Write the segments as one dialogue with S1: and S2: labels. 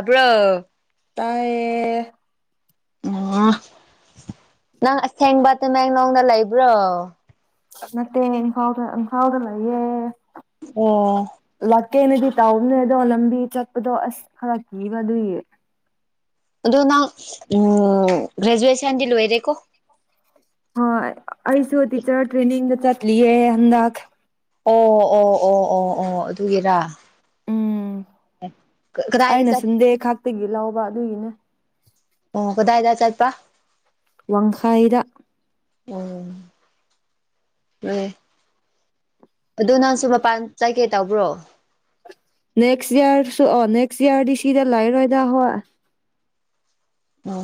S1: ꯑꯞ꯭ꯔꯣ
S2: ꯇꯥꯏꯌꯦ
S1: ꯎ ꯅꯪ ꯑꯁꯦꯡꯕ ꯇꯃꯦꯡꯂꯣꯡꯗ ꯂꯩꯕ꯭ꯔꯣ
S2: ꯃꯦ ꯏꯥꯎꯗ꯭ꯔ ꯏꯪꯈꯥꯎꯗꯂ ꯌꯦꯦ
S1: ꯑꯣ
S2: ꯀꯦꯅꯗꯤ ꯇꯥꯎꯕꯅꯦ ꯑꯗꯣ ꯂꯝꯕꯤ ꯆꯠꯄꯗꯣ ꯑꯁ ꯈꯔ ꯀꯤꯕ ꯑꯗꯨꯏꯌꯦ
S1: ꯑꯗꯣ ꯅꯪ ꯎ ꯒ꯭ꯔꯦꯖꯨꯋꯦꯁꯟꯗꯤ ꯂꯣꯏꯔꯦꯀꯣ
S2: ꯍꯣꯏ ꯑꯁꯤꯁꯨ ꯑꯣ ꯇꯤꯆ ꯇ꯭ꯔꯦꯅꯤꯡ ꯆ ꯂ ꯑꯗ
S1: ꯑꯣ ꯑꯣ ꯑꯣ ꯑꯣ ꯑꯣ ꯑꯗꯨꯒꯤꯔꯥ ꯑ
S2: ꯑꯅ ꯆꯟꯦꯦꯛ ꯍꯥꯛꯇꯒꯤꯂ ꯋꯥ ꯑꯗꯨꯒꯤꯅꯦ
S1: ꯑꯣ ꯀꯗꯥ ꯍꯥꯏꯗ ꯆꯠꯄ
S2: ꯋꯥꯡꯈꯥꯏꯗ
S1: ꯑꯣ ꯑꯗꯨ ꯅꯪꯁꯨ ꯃꯄꯥꯟ ꯆꯥꯏꯀꯦ ꯇꯧꯕ꯭ꯔꯣ
S2: ꯅꯦꯛꯁ ꯏꯌꯥꯔꯁꯨ ꯅꯦꯛꯁꯔꯗꯤ ꯁꯤꯗ ꯂꯥꯏꯔꯣꯏꯗ ꯍꯣ
S1: ꯎ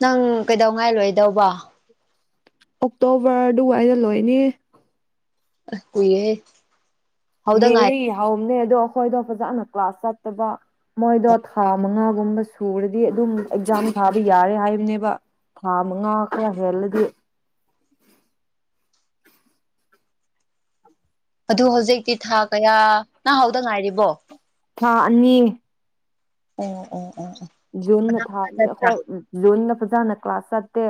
S1: ꯅꯪ ꯀꯩꯗꯧꯉꯥꯏ ꯂꯣꯏꯗꯧꯕ
S2: ꯑꯣꯛꯇꯣꯕꯔ ꯑꯗꯨꯋꯥꯏꯗ ꯂꯣꯏꯅꯤ
S1: ꯑ ꯀꯏꯌꯦ
S2: ꯃꯦꯔꯤ ꯍꯝꯅꯦ ꯑꯗꯣ ꯑꯩꯈꯣꯏꯗꯣ ꯐꯖꯅ ꯀ꯭ꯂꯥꯁ ꯆꯠꯇꯕ ꯃꯣꯏꯗꯣ ꯊꯥ ꯃꯉꯥꯒꯨꯝꯕ ꯁꯨꯔꯗꯤ ꯑꯗꯨꯝ ꯑꯦꯛꯖꯥꯝ ꯊꯥꯕ ꯌꯥꯔꯦ ꯍꯥꯏꯕꯅꯦꯕ ꯊꯥ ꯃꯉꯥ ꯈꯔ ꯍꯦꯜꯂꯗꯤ
S1: ꯑꯗꯨ ꯍꯧꯖꯤꯛꯇꯤ ꯊꯥ ꯀꯌꯥ ꯅꯍꯥꯎꯗ ꯉꯥꯏꯔꯤꯕꯣ
S2: ꯊꯥ ꯑꯅꯤ
S1: ꯑꯣ ꯑꯣ ꯑꯣ ꯑꯣ
S2: ꯖꯣꯟ
S1: ꯀꯅꯥ
S2: ꯊꯥ
S1: ꯀꯅꯥ ꯆꯠꯄ꯭ꯔꯥ
S2: ꯍꯣꯏꯖꯣꯟ ꯐꯖꯥꯅ ꯀ꯭ꯂꯥꯁ ꯆꯠꯇꯦ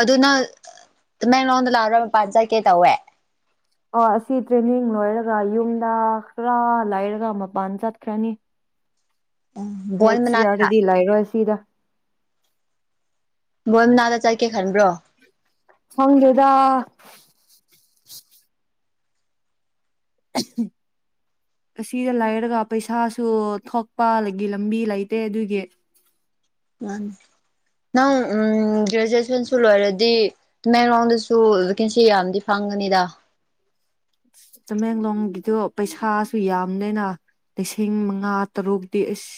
S1: ꯑꯗꯨꯅꯪꯃꯦꯡꯂꯣꯗ ꯂꯥꯛꯔ ꯃꯄꯥꯟ ꯆꯠꯀꯦ ꯇꯧꯋꯦ
S2: ꯑ ꯑꯁꯤ ꯇ꯭ꯔꯦꯅꯤꯡ ꯂꯣꯏꯔꯒ ꯌꯨꯝꯗ ꯈꯔ ꯂꯩꯥꯏꯔꯒ ꯃꯄꯥꯟ ꯆꯠꯈ꯭ꯔꯅꯤ
S1: ꯎꯝ ꯕꯣꯟ
S2: ꯅꯦꯛꯁ
S1: ꯃꯅꯥꯛꯇ
S2: ꯌꯥꯎꯗꯗꯤꯂꯥꯏꯔꯣ ꯁꯤꯗ
S1: ꯅꯅꯥꯗ ꯆꯔꯀꯦ
S2: ꯍꯖꯗ ꯀꯤꯛ [inaudible] ꯑꯁꯤꯗ ꯂꯩꯥꯏꯔꯒ ꯄꯩꯁꯥꯁꯨ ꯊꯣꯛꯄ ꯑꯗꯒꯤ ꯂꯝꯕꯤ ꯂꯩꯇꯦ ꯑꯗꯨꯒꯤ
S1: ꯅꯪ ꯒ꯭ꯔꯦꯖꯨꯑꯦꯁꯟꯁꯨ ꯂꯣꯏꯔꯗꯤ ꯇꯃꯦꯡꯂꯣꯡꯗꯁꯨ ꯚꯦꯀꯦꯟꯁꯤ ꯌꯥꯝꯗꯤ ꯐꯪꯒꯅꯤꯗ
S2: ꯆꯃꯦꯡꯂꯣꯡꯒꯤꯗꯣ ꯄꯩꯁꯥꯁꯨ ꯌꯥꯝꯗꯅ ꯂꯤꯁꯤꯡ ꯃꯉꯥ ꯇꯔꯨꯛꯇꯤ ꯑꯁ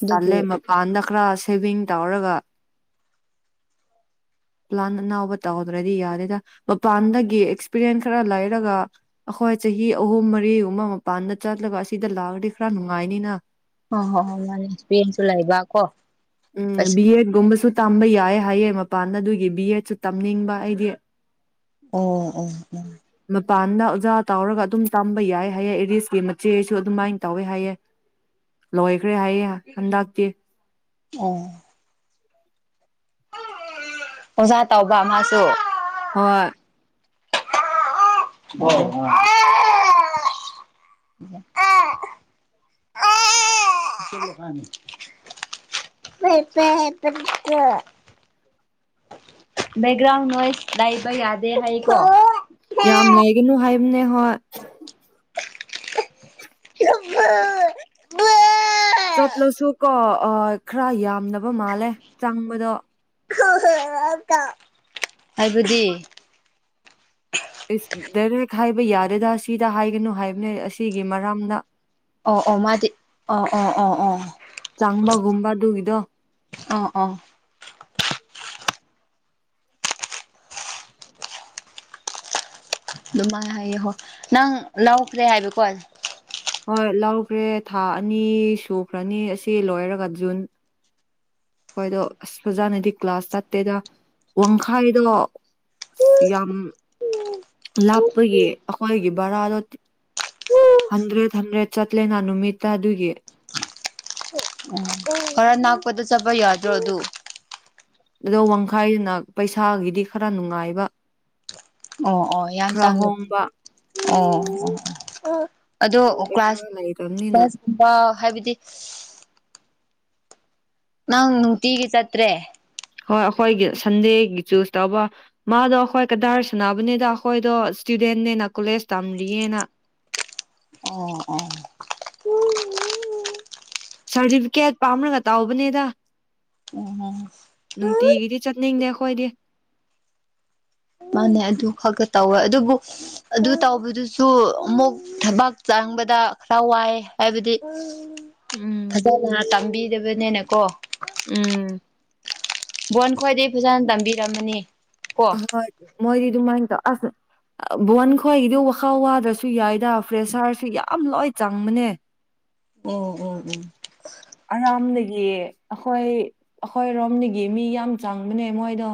S1: ꯑꯗꯨꯕꯨ
S2: ꯑꯜꯂꯦ ꯃ ꯄꯥꯟꯗ ꯀ꯭ꯔꯥ ꯁꯦꯕꯤꯤꯡ ꯇꯧꯔꯒ ꯄ꯭ꯂꯥꯟ ꯑꯅꯥꯎꯕ ꯇꯧꯍꯗ꯭ꯔꯗꯤ ꯌꯥꯗꯦꯗ ꯃꯄꯥꯟꯗꯒꯤ ꯑꯦꯛꯁꯄꯤꯔꯤꯌꯦꯟꯁ ꯈꯔ ꯂꯩꯔꯒ ꯑꯩꯈꯣꯏ ꯆꯍꯤ ꯑꯍꯨꯝ ꯃꯔꯤꯒꯨꯝꯕ ꯃꯄꯥꯟꯗ ꯆꯠꯂꯒ ꯑꯁꯤꯗ ꯂꯥꯛꯑꯗꯤ ꯈꯔ ꯅꯨꯡꯉꯥꯏꯅꯤꯅ
S1: ꯍ ꯍꯣ ꯍ ꯃꯥꯟ ꯑꯦꯁꯄꯤꯔꯤꯟꯁꯨ ꯂꯩꯕ ꯀ
S2: ꯎꯝ ꯕꯤ ꯑꯦꯠ ꯒꯨꯝꯝꯕꯁꯠ ꯇꯝꯕ ꯌꯥꯏꯌꯦ ꯍꯥꯏꯌꯦ ꯃꯄꯥꯟꯗ ꯑꯗꯨꯒꯤ ꯕꯤ ꯑꯦꯗꯁꯨ ꯇꯝꯅꯤꯡꯕ ꯑꯩꯗꯤ
S1: ꯑꯣ ꯑꯣ ꯑꯣ
S2: ꯃꯄꯥꯟꯗ ꯑꯣꯖꯥ ꯇꯧꯔꯒ ꯑꯗꯨꯝ ꯇꯝꯕ ꯌꯥꯏ ꯍꯥꯏꯌꯦꯦ ꯏꯔꯤꯁꯀꯤ ꯃꯆꯦꯁꯨ ꯑꯗꯨꯃꯥꯏꯅ ꯇꯧꯋꯦ ꯍꯥꯏꯌꯦꯦ ꯂꯣꯏꯈ꯭ꯔꯦ ꯍꯥꯏꯌꯦꯦ ꯍꯟꯗꯛꯇꯤ
S1: ꯑꯣ ꯑꯣꯖꯥ ꯇꯕ ꯃꯥꯁꯨ
S2: ꯍꯣꯏ
S1: ꯑ ꯑ ꯕꯦꯛꯒ꯭ꯔꯥꯎꯟ ꯅꯣꯏꯁ ꯂꯩꯏꯕ ꯌꯥꯗꯦ ꯍꯥꯏꯀ
S2: ꯌꯥꯝ ꯂꯩꯥꯏꯒꯅꯨ ꯍꯥꯏꯕꯅꯦ ꯍꯣꯏ
S1: ꯃ
S2: ꯆꯠꯂꯁꯨ ꯀꯣ ꯈꯔ ꯌꯥꯝꯕ ꯃꯥꯜꯂꯦ ꯆꯪꯕꯗꯣ
S1: ꯍꯥꯏꯕꯗꯤ
S2: ꯗꯥꯏꯔꯦꯛ ꯍꯥꯏꯕ ꯌꯥꯗꯦꯗ ꯁꯤꯗ ꯍꯥꯏꯒꯅꯨ ꯍꯥꯏꯕꯅꯦ ꯑꯁꯤꯒꯤ ꯃꯔꯝꯗ
S1: ꯑꯣ ꯑꯣ ꯃꯥꯗꯤ ꯑꯣ ꯑꯣ ꯑꯣ ꯑꯣ
S2: ꯆꯪꯕꯒꯨꯝꯕ ꯑꯗꯨꯒꯤꯗꯣ
S1: ꯑ ꯑ ꯑꯗꯨꯃꯥꯏꯅ ꯍꯥꯏꯌꯦꯍꯣ ꯅꯪ ꯂꯧꯈ꯭ꯔꯦ ꯍꯥꯏꯕꯀꯣ
S2: ꯍꯣꯏ ꯂꯧꯈ꯭ꯔꯦ ꯊꯥ ꯑꯅꯤ ꯁꯨꯈ꯭ꯔꯅꯤ ꯑꯁꯤ ꯂꯣꯏꯔꯒ ꯖꯨꯟ ꯍꯣꯏꯗꯣ ꯑꯁ ꯐꯖꯅꯗꯤ ꯀ꯭ꯂꯥꯁ ꯆꯠꯇꯦꯗ ꯋꯥꯡꯈꯥꯏꯗꯣ ꯑ ꯌꯥꯝ ꯂꯥꯞꯄꯒꯤ ꯑꯩꯈꯣꯏꯒꯤ ꯚꯔꯥꯗꯣ ꯍꯟꯗ꯭ꯔꯦꯠ ꯍꯟꯗ꯭ꯔꯦꯠ ꯆꯠꯂꯦꯅ ꯅꯨꯃꯤꯠꯇ ꯑꯗꯨꯒꯤ
S1: ꯍꯔ ꯅꯛꯄꯗ ꯆꯠꯄ ꯌꯥꯗ꯭ꯔꯣ ꯑꯗꯨ
S2: ꯑꯗꯣ ꯋꯥꯡꯈꯥꯏꯗꯨꯅ ꯄꯩꯁꯥꯒꯤꯗꯤ ꯈꯔ ꯅꯨꯡꯉꯥꯏꯕ
S1: ꯑꯣ ꯑꯣ ꯌꯥꯝ
S2: ꯈꯔ
S1: ꯇꯥꯡꯅ
S2: ꯍꯣꯡꯕ
S1: ꯑꯣ ꯑꯣ ꯑꯣ ꯑꯗꯣ
S2: ꯄꯩꯁꯥ ꯂꯩꯇꯕꯅꯤꯅ
S1: ꯀ꯭ꯂꯥꯁꯀꯨꯝꯕ ꯍꯥꯏꯕꯗꯤ ꯅꯪ ꯅꯨꯡꯇꯤꯒꯤ ꯆꯠꯇ꯭ꯔꯦ
S2: ꯍꯣꯏ ꯑꯩꯈꯣꯏꯒꯤ ꯁꯟꯗꯦꯒꯤ ꯆꯨꯁ ꯇꯧꯕ ꯃꯥꯗꯣ ꯑꯩꯈꯣꯏ ꯀꯗꯥꯏꯔ ꯁꯥꯟꯅꯕꯅꯤꯗ ꯑꯩꯈꯣꯏꯗꯣ ꯏꯁꯇꯨꯗꯦꯟꯅꯦꯅ ꯀꯣꯂꯦꯖ ꯇꯝꯔꯤꯌꯦꯅ
S1: ꯑꯣꯝ ꯎ
S2: ꯁꯥꯔꯇꯤꯐꯤꯀꯦꯠ ꯄꯥꯝꯅꯒ ꯇꯥꯎꯕꯅꯦꯗ
S1: ꯎꯝ
S2: ꯑꯣꯏꯔꯦ
S1: ꯃꯥꯅꯦ ꯑꯗꯨ ꯈꯒ ꯇꯧꯋꯦ ꯑꯗꯨꯕꯨ ꯑꯗꯨ ꯇꯧꯕꯗꯨꯁꯨ ꯑꯃꯨꯛ ꯊꯕꯥꯛ ꯆꯪꯕꯗ ꯈꯔ ꯋꯥꯏ ꯍꯥꯏꯕꯗꯤ
S2: ꯎꯝ
S1: ꯐꯖꯅ ꯇꯝꯕꯤꯗꯕꯅꯦꯅ ꯀꯣ
S2: ꯎꯝ
S1: ꯕꯣꯟ ꯈ꯭ꯋꯥꯏꯗꯒꯤꯩ ꯐꯖꯅ ꯇꯝꯕꯤꯔꯝꯃꯅꯤ ꯀꯣ
S2: ꯍ‌ꯣ ꯃꯣꯏꯔꯤꯗꯨꯃꯥꯏꯇ ꯑꯁ ꯕꯣꯟ ꯈ꯭ꯋꯥꯒꯤꯗꯨ ꯋꯥꯈꯥ ꯋꯥꯗ꯭ꯔꯁꯨ ꯌꯥꯏꯗ ꯐ꯭ꯔꯦꯁꯥꯔꯁꯨ ꯌꯥꯝ ꯂꯣꯏ ꯆꯪꯕꯅꯦ
S1: ꯎꯝ ꯎꯝ ꯎꯝ
S2: ꯑꯔꯥꯝꯗꯒꯤ ꯑꯩꯈꯣꯏ ꯑꯩꯈꯣꯏꯔꯣꯝꯗꯒꯤ ꯃꯤ ꯌꯥꯝ ꯆꯪꯕꯅꯦ ꯃꯣꯏꯗꯣ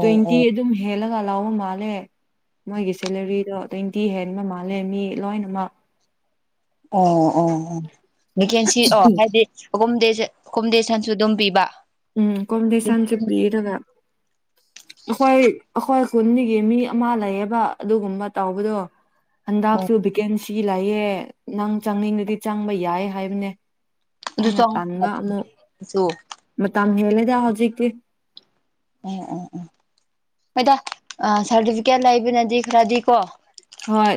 S2: ꯇ꯭ꯋꯦꯟꯇꯤ ꯑꯗꯨꯝ ꯍꯦꯜꯂ ꯂꯥꯎꯕ ꯃꯥꯜꯂꯦ ꯃꯣꯏꯒꯤ ꯁꯦꯂꯔꯤꯗꯣ ꯇ꯭ꯋꯦꯟꯇꯤ ꯍꯦꯟꯕ ꯃꯥꯜꯂꯦ ꯃꯤ ꯂꯣꯏꯅꯃꯛ
S1: ꯑꯣ ꯑꯣ ꯚꯦꯀꯦꯟꯁꯤ ꯑꯣ ꯍꯥꯏꯗꯤ ꯍꯨꯝꯗꯦ ꯍꯨꯝꯗꯦ ꯁꯟꯁꯨ ꯑꯗꯨꯝ ꯄꯤꯕ
S2: ꯎꯝ ꯀꯝꯗꯦꯁꯥꯟꯁꯦ ꯄꯤꯗꯒ ꯑꯩꯈꯣꯏ ꯑꯩꯈꯣꯏ ꯈꯨꯟꯒꯤ ꯃꯤ ꯑꯃ ꯂꯩꯌꯦꯕ ꯑꯗꯨꯒꯨꯝꯕ ꯇꯧꯕꯗꯣ ꯑꯟꯗꯁꯨꯕꯤꯀꯦꯟꯁꯤ ꯁꯤ ꯂꯥꯛꯌꯦ ꯅꯪ ꯆꯪꯅꯤꯡꯗꯗꯤ ꯆꯪꯕ ꯌꯥꯏ ꯍꯥꯏꯕꯅꯦ
S1: ꯑꯗꯨ
S2: ꯑꯩꯅ
S1: ꯆ
S2: ꯀꯝ ꯍ ꯂꯩꯗ ꯍꯧꯖꯤꯛꯀꯤ
S1: ꯎꯝ ꯎꯝ ꯎꯝ ꯃꯣꯏꯗ ꯁꯥꯔꯇꯤꯐꯤꯀꯦꯠ ꯂꯩꯕꯅꯗꯤ ꯈꯔꯗꯤ ꯀꯣ
S2: ꯍꯣꯏ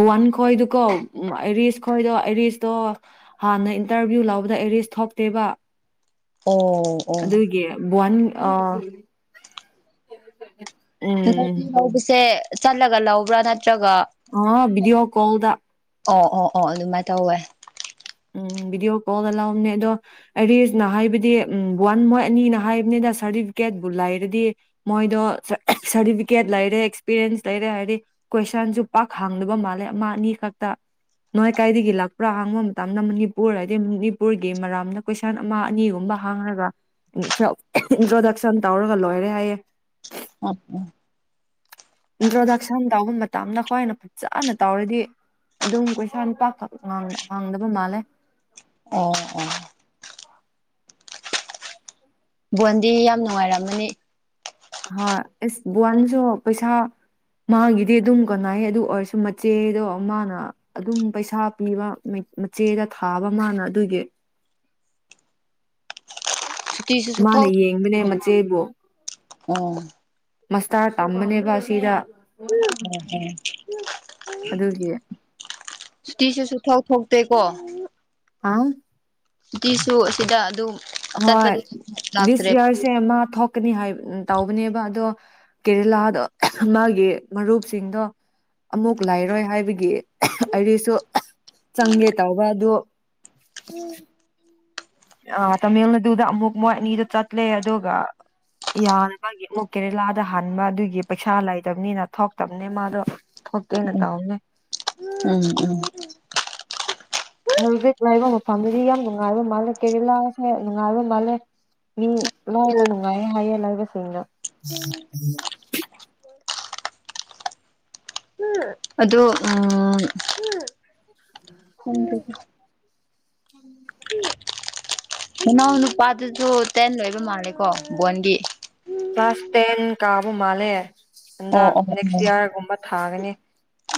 S2: ꯕꯋꯥꯟ ꯈꯣꯏꯗꯨꯀꯣ ꯑꯔꯤꯁ ꯈꯣꯏꯗꯣ ꯑꯔꯤꯁꯇꯣ ꯍꯥꯟꯅ ꯏꯟꯇꯔꯚꯤꯌꯨ ꯂꯧꯕꯗ ꯑꯦꯔꯤꯁ ꯊꯣꯛꯇꯦꯕ
S1: ꯑꯣ ꯑꯣ
S2: ꯑꯗꯨꯒꯤ ꯕꯟ ꯑꯥ
S1: ꯍꯗꯤꯁꯦ ꯆꯠꯂꯒ ꯂꯧꯕ꯭ꯔꯥ ꯅꯠꯇ꯭ꯔꯒ
S2: ꯑ ꯕꯤꯗꯤꯑꯣ ꯀꯣꯜꯗ
S1: ꯑꯣ ꯑꯣ ꯑꯣ ꯑꯗꯨꯃꯥꯏꯅ ꯇꯧꯋꯦ
S2: ꯎꯝ ꯚꯤꯗꯤꯑꯣ ꯀꯣꯜꯗ ꯂꯥꯎꯝꯅꯦ ꯑꯗꯣ ꯑꯔꯤꯁꯅ ꯍꯥꯏꯕꯗꯤ ꯎꯝ ꯋꯥꯟ ꯃꯣꯏ ꯑꯅꯤꯅ ꯍꯥꯏꯕꯅꯤꯗ ꯁꯥꯔꯇꯤꯐꯤꯀꯦꯠꯄꯕꯨ ꯂꯩꯔꯗꯤ ꯃꯣꯏꯗꯣ ꯁꯥꯔꯇꯤꯐꯤꯀꯦꯠ ꯂꯩꯔꯦ ꯑꯦꯛꯁꯄꯤꯔꯤꯌꯦꯟꯁ ꯂꯩꯔꯦ ꯍꯥꯏꯔꯗꯤ ꯀꯣꯏꯁꯟꯁꯨ ꯄꯥꯛ ꯍꯥꯡꯗꯕ ꯃꯥꯜꯂꯦ ꯑꯃ ꯑꯅꯤ ꯈꯛꯇ ꯅꯣꯏ ꯀꯥꯏꯗꯒꯤ ꯂꯥꯛꯄ꯭ꯔꯥ ꯍꯥꯡꯕ ꯇꯅ ꯃꯅꯤꯄꯨꯔ ꯍꯥꯏꯗꯤ ꯃꯅꯤꯄꯨꯔꯒꯤ ꯃꯔꯝꯅ ꯀꯣꯏꯁꯟ ꯑꯃ ꯑꯅꯤꯒꯨꯝꯕ ꯍꯥꯡꯉꯒ ꯏꯟꯇ꯭ꯔꯣꯗꯛꯁꯟ ꯇꯧꯔꯒ ꯂꯣꯏꯔꯦ ꯍꯥꯏꯌꯦ
S1: ꯑ
S2: ꯏꯟꯇ꯭ꯔꯣꯗꯛꯁꯟ ꯇꯧꯕ ꯃꯇꯝꯗ ꯈ꯭ꯣꯏꯏꯅ ꯐꯖꯥꯅ ꯇꯧꯔꯗꯤ ꯑꯗꯨꯝ ꯀꯣꯏꯁꯥꯄꯥꯈꯛ ꯍꯥꯡꯗꯕ ꯃꯥꯜꯂꯦ
S1: ꯑꯣ ꯕꯣꯟꯗꯤ ꯌꯥꯝ ꯅꯨꯡꯉꯥꯏꯔꯝꯃꯅꯤ
S2: ꯍꯣꯏ ꯑꯦꯁ ꯕꯟꯁꯨ ꯄꯩꯁꯥ ꯃꯥꯒꯤꯗꯤ ꯑꯗꯨꯝ ꯀꯅꯩ ꯑꯗꯨ ꯑꯣꯏꯔꯁꯨ ꯃꯆꯦꯗꯣ ꯃꯥꯅ ꯑꯗꯨꯝ ꯄꯩꯁꯥ ꯄꯤꯕ ꯃꯆꯦꯗ ꯊꯥꯕ ꯃꯥꯅ ꯑꯗꯨꯒꯤ
S1: ꯁꯨꯇꯤꯁꯨ
S2: ꯃꯥꯅ ꯌꯦꯡꯕꯅꯦ ꯃꯆꯦꯕꯨꯣ
S1: ꯎꯝ
S2: ꯃꯁꯇꯥꯔ ꯇꯝꯕꯅꯦꯕ ꯁꯤꯗ ꯑꯗꯨꯒꯤ
S1: ꯇꯤꯁꯨꯁꯨ ꯊꯧ ꯊꯧ ꯇꯦꯛꯀꯣ
S2: ꯑꯥꯎ
S1: ꯑꯗꯨꯤꯁꯨ ꯁꯤꯗ ꯑꯗꯨꯝ
S2: ꯍꯣꯏ
S1: ꯆꯠꯄꯗꯒꯤ
S2: ꯗꯤꯁ
S1: ꯂꯥꯛꯇ꯭ꯔꯦ
S2: ꯏꯌꯥꯔꯁꯦ ꯃꯥ ꯊꯣꯛꯀꯅꯤ ꯍꯥꯏ ꯇꯧꯕꯅꯦꯕ ꯑꯗꯣ ꯀꯦꯔꯦꯂꯥꯗꯣ ꯃꯥꯒꯤ ꯃꯔꯨꯞꯁꯤꯡꯗꯣ ꯑꯃꯨꯛ ꯂꯩꯔꯣꯏ ꯍꯥꯏꯕꯒꯤ ꯑꯩꯔꯤꯁꯨ ꯆꯪꯒꯦ ꯇꯧꯕ ꯑꯗꯨ
S1: ꯎꯝ
S2: ꯑ ꯇꯥꯃꯤꯜ ꯅꯥꯗꯨꯗ ꯑꯃꯨꯛ ꯃꯣꯏ ꯑꯅꯤꯗ ꯆꯠꯂꯦ ꯑꯗꯨꯒ ꯌꯥ ꯦ ꯃꯨꯛꯦꯔꯤ ꯂ ꯗ ꯍꯟꯕ ꯑꯗꯨꯒꯤ ꯄꯩꯁꯥ ꯂꯩꯇꯕꯅꯤꯅ ꯊꯣꯛꯇꯕꯅꯤ ꯃꯥꯗꯣ ꯊꯣꯛꯀꯦꯅ ꯇꯧꯕꯅꯦ
S1: ꯎ ꯎꯝ ꯎꯝ
S2: ꯄꯥꯝꯃꯤꯗꯤ ꯌꯥꯝ ꯅꯨꯡꯉꯥꯏꯕ ꯃꯥꯜꯂꯦ ꯀꯦꯔꯦꯂꯥꯁꯦ ꯅꯨꯡꯉꯥꯏꯕ ꯃꯥꯜꯂꯦ ꯃꯤ ꯂꯣꯏꯅ ꯅꯨꯡꯉꯥꯏꯌꯦ ꯍꯥꯏꯌꯦ ꯂꯩꯕꯁꯤꯡꯅ
S1: ꯑꯗꯨꯗ ꯎꯝ ꯏꯅꯥꯎ ꯅꯨꯄꯥꯗꯨꯁꯨ ꯇꯦꯟ ꯂꯣꯏꯕ ꯃꯥꯜꯂꯦꯀꯣ ꯕꯣꯟꯗꯤ
S2: ꯀ꯭ꯂꯥꯁꯥꯁ ꯇꯦꯟ ꯀꯥꯕ ꯃꯥꯂꯦ ꯑꯟꯗ
S1: ꯑꯣ ꯑꯣ
S2: ꯅꯦꯛꯁ
S1: ꯑꯣ
S2: ꯏꯌꯥꯔꯒꯨꯝꯕ ꯊꯥꯒꯅꯤ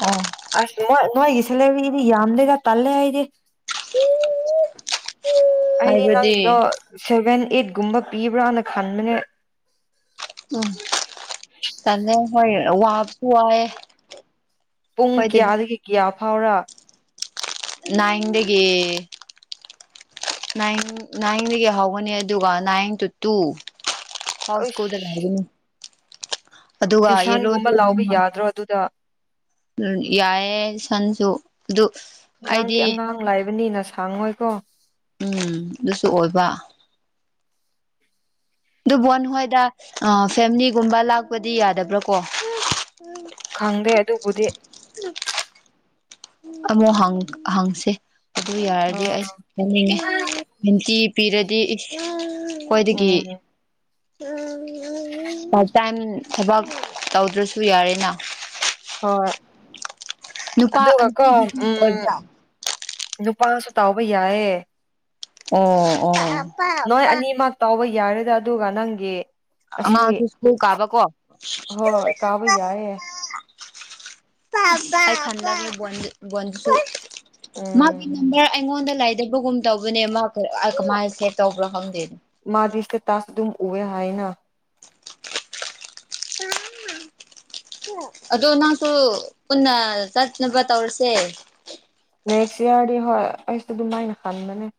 S1: ꯑꯣ
S2: ꯑꯁ ꯅ ꯅꯣꯏꯒꯤꯁꯤꯂꯕꯤ ꯏꯗꯤ ꯌꯥꯝꯗꯦꯗ ꯇꯜꯂꯦ ꯍꯥꯏ ꯑꯩꯗꯤ ꯑꯩꯗꯤ
S1: ꯍꯥꯏꯕꯗꯤ
S2: ꯅꯪꯗꯣ ꯁꯦꯕꯦꯟ ꯑꯦꯠꯒꯨꯝꯕ ꯄꯤꯕ꯭ꯔꯥꯅ ꯈꯟꯕꯅꯦ
S1: ꯆꯗꯦ ꯍꯣꯏ ꯋꯥꯞꯁꯨ ꯍꯥꯏ
S2: ꯄꯨꯡ ꯀꯌꯥꯗꯒꯤ ꯀꯌꯥ ꯐꯥꯎꯔꯛ
S1: ꯅꯥꯗꯒꯤ ꯅꯥꯏꯟ ꯅꯥꯏꯟꯗꯒꯤ ꯍꯧꯒꯅꯤ ꯑꯗꯨꯒ ꯅꯥꯏꯟ ꯇꯨ ꯇꯨ ꯍꯥꯎꯁꯀꯨꯗ ꯂꯒꯅꯤ
S2: ꯇ꯭ꯨꯁꯥꯟꯒꯨꯝꯕ ꯂꯥꯎꯕ ꯌꯥꯗ꯭ꯔꯣ ꯑꯗꯨꯗ
S1: ꯎ ꯌꯥꯏꯦ ꯁꯟꯁꯨꯁꯨ
S2: ꯅꯪꯗꯤ ꯑꯉꯥꯡ ꯂꯥꯏꯕꯅꯤꯅ ꯁꯥꯡꯑꯣꯣꯏ ꯀꯣ
S1: ꯎꯝ ꯑꯗꯨꯁꯨ ꯑꯣꯏꯕ ꯑꯗꯨꯕꯨꯣ ꯅꯣꯏꯗ ꯐꯦꯃꯤꯂꯤꯒꯨꯝꯕ ꯂꯥꯛꯄꯗꯤ ꯌꯥꯗꯕ꯭ꯔꯥ ꯀꯣ
S2: ꯈꯪꯗꯦ ꯑꯗꯨꯕꯨꯗꯤ
S1: ꯑꯃꯨꯛ ꯍꯪ ꯍꯪꯁꯦ ꯑꯗꯨ ꯌꯥꯔꯗꯤ
S2: ꯎꯝ
S1: ꯑꯩꯁ ꯍꯥꯏꯪꯅꯤꯡꯉꯦ ꯅꯨꯡꯇꯤ ꯄꯤꯔꯗꯤ ꯍ ꯈ꯭ꯋꯥꯣꯏꯗꯒꯤ
S2: ꯎꯝ
S1: ꯎ ꯄꯥꯔꯠ ꯇꯥꯏꯝ ꯊꯕꯛ ꯇꯧꯗ꯭ꯔꯁꯨ ꯌꯥꯔꯦꯅ
S2: ꯍꯣꯏ
S1: ꯅꯨꯄꯥ
S2: ꯑꯗꯨꯒ ꯀꯣ
S1: ꯅꯨꯄꯤꯒꯤꯁꯨ
S2: ꯎꯝ
S1: ꯑꯣꯏꯕ꯭ꯔꯥ
S2: ꯅꯨꯄꯥꯁꯨ ꯇꯥꯎꯕ ꯌꯥꯏꯦ
S1: ꯑꯣꯝ ꯑꯣꯝ
S2: ꯅꯣꯏ ꯑꯅꯤꯃ ꯇꯥꯎꯕ ꯌꯥꯔꯦꯗ ꯑꯗꯨꯒ ꯅꯪꯒꯤ ꯑꯁꯤ
S1: ꯃꯥꯁꯨ ꯁ꯭ꯀꯨꯜ ꯀꯥꯕ ꯀꯣ
S2: ꯍꯣꯏ ꯀꯥꯕ ꯌꯥꯏꯌꯦ
S1: ꯗꯛꯇ
S2: ꯎꯝ
S1: ꯃꯥꯒꯤ ꯅꯗ ꯑꯩꯉꯣꯟꯗ ꯂꯩꯗꯕꯒꯨꯝ ꯇꯧꯕꯅꯦ ꯃꯥ ꯀꯃꯥꯏꯅ ꯁꯦꯞ ꯇꯧꯕ꯭ꯔꯣ ꯈꯪꯗꯦꯅ
S2: ꯃꯥꯗꯤꯁꯇ ꯇꯥꯁ ꯑꯗꯨ ꯎꯕꯦ ꯍꯥꯏꯅ
S1: ꯑꯗꯣ ꯅꯪꯁꯨ ꯄꯨꯟꯅ ꯆꯠꯅꯕ ꯇꯧꯔꯁꯦ
S2: ꯅꯦꯛꯁ ꯏꯌꯥꯔꯗꯤ ꯍꯣꯏ ꯑꯩꯁꯨ ꯑꯗꯨꯃꯥꯏꯅ ꯈꯟꯕꯅꯦ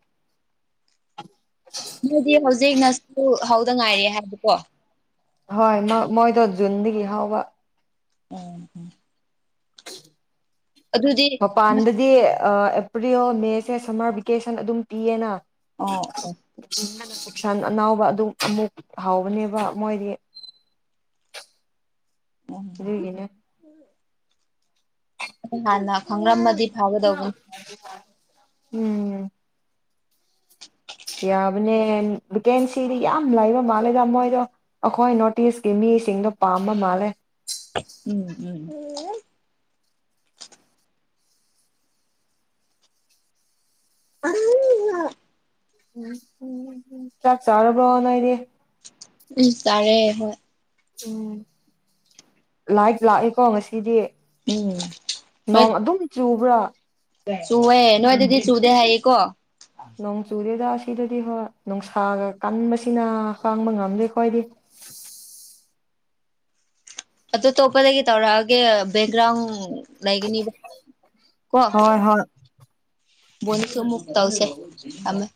S1: ꯃꯣꯏꯗꯤ ꯍꯧꯖꯤꯛꯅꯁꯨ ꯍꯧꯗ ꯉꯥꯏꯔ ꯍꯥꯏꯕꯀꯣ
S2: ꯍꯣꯏ ꯃꯣꯏꯗꯣ ꯖꯨꯟꯗꯒꯤ ꯍꯥꯎꯕ
S1: ꯑꯣ
S2: ꯑ ꯑꯗꯗꯤ ꯑ ꯑꯦꯄ꯭ꯔꯤꯜ ꯃꯦꯁꯦ ꯁꯝꯃꯔ ꯚꯦꯀꯦꯁꯟ ꯑꯗꯨꯝ ꯄꯤꯌꯦꯅ
S1: ꯑꯣ ꯑꯣ
S2: ꯆꯁꯥꯟ ꯑꯅꯥꯎꯕ ꯑꯗꯨ ꯑꯃꯨꯛ ꯍꯥꯎꯕꯅꯦꯕ ꯃꯣꯏꯗꯤ ꯨꯒꯤꯅꯦ
S1: ꯍꯅ ꯈꯪ꯭ꯔꯝ ꯃꯗꯤ
S2: ꯎꯝ ꯌꯥꯕꯅꯦ ꯚꯦꯀꯦꯟꯁꯤꯗꯤ ꯌꯥꯝ ꯂꯩꯕ ꯃꯥꯜꯂꯦꯗ ꯃꯣꯏꯗꯣ ꯑꯩꯈꯣꯏ ꯅꯣꯔꯠ ꯏꯁꯀꯤ ꯃꯤꯁꯤꯡꯗꯣ ꯄꯥꯝꯕ ꯃꯥꯜꯂꯦ
S1: ꯎꯝ ꯎꯝ ꯑ
S2: ꯆꯥꯛꯆꯔꯣꯕꯅꯥ ꯏꯗꯤꯦ
S1: ꯎꯝ ꯇꯔꯦ ꯍꯣꯏ
S2: ꯎꯝ ꯂꯥꯏ ꯂꯥꯛꯏꯦꯀꯣ ꯉꯁꯤꯗꯤ
S1: ꯎꯝ ꯍꯣꯏ
S2: ꯅꯣꯡ ꯑꯗꯨꯝ ꯆꯨꯕ꯭ꯔꯥ꯫
S1: ꯆꯨꯋꯦ ꯅꯣꯏꯗꯗꯤ ꯆꯨꯗꯦ ꯍꯥꯏꯌꯦꯀꯣ꯫
S2: ꯅꯣꯡ ꯆꯨꯗꯦꯗ꯫ ꯁꯤꯗꯗꯤ ꯍꯣꯏ ꯅꯨꯡꯁꯥꯒ ꯀꯟꯕꯁꯤꯅ ꯈꯥꯡꯕ ꯉꯝꯗꯦ ꯑꯩꯈꯣꯏꯗꯤ꯫
S1: ꯑꯗꯣ ꯇꯣꯄꯗꯒꯤ ꯇꯧꯔꯛꯒꯦ ꯕꯦꯛꯒ꯭ꯔꯥꯎꯟ ꯂꯩꯒꯅꯤꯕ ꯀꯣ꯫
S2: ꯍꯣꯏ ꯍꯣꯏ
S1: ꯕꯣꯟꯁꯨ ꯑꯃꯨꯛ ꯇꯧꯁꯦ ꯊꯝꯃꯦ꯫